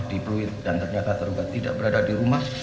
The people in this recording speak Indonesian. di pluit dan ternyata terluka tidak berada di rumah